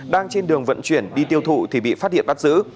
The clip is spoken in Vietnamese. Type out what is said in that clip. đang trên đường vận chuyển đi tiêu thụ thì bị phát hiện bắt giữ